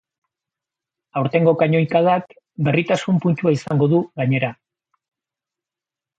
Aurtengo kanoikadak berritasun puntua izan du, gainera.